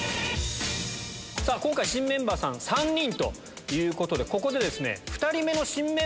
今回新メンバーさん３人ということでここで。